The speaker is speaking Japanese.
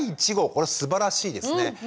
これすばらしいですね。